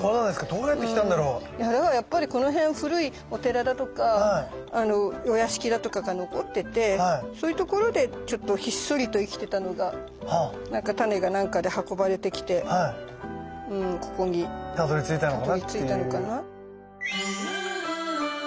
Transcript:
どうやって来たんだろう？だからやっぱりこの辺古いお寺だとかお屋敷だとかが残っててそういう所でひっそりと生きてたのがタネが何かで運ばれてきてここにたどりついたのかな。